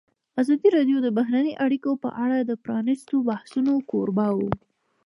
ازادي راډیو د بهرنۍ اړیکې په اړه د پرانیستو بحثونو کوربه وه.